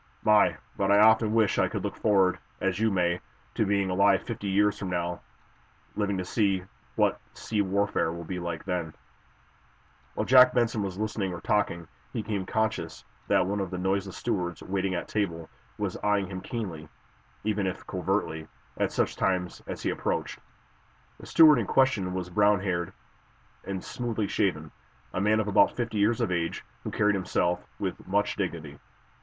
"My, but I often wish I could look forward, as you may, to being alive fifty years from now living to see what sea warfare will be like then!" While Jack Benson was listening or talking, he became conscious that one of the noiseless stewards waiting at table was eyeing him keenly, even if covertly, at such times as he approached. The steward in question was brownhaired and smoothly shaven, a man of about fifty years of age who carried himself with much dignity.